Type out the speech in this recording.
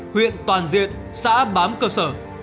huyện toàn diện xã áp bám cơ sở